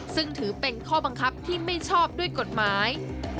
ซึ่งถือเป็นข้อบังคับที่ไม่ชอบด้วยกฎหมาย